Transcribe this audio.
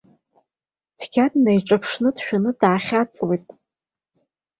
Цқьа днаиҿаԥшны, дшәаны даахьаҵуеит.